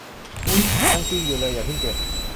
ยังกินอยู่เลย อย่าเพิ่งเก็บ